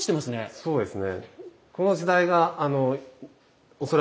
そうですね。